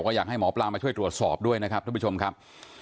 ก็อยากให้หมอปลามาช่วยตรวจสอบด้วยนะครับท่านผู้ชมครับ